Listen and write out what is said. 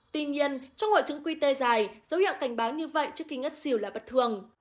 tuy nhiên trong mọi chứng quy tê dài dấu hiệu cảnh báo như vậy trước khi ngất xỉu là bất thường